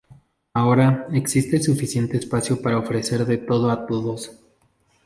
Ahora, existe suficiente espacio para ofrecer de todo, a todos.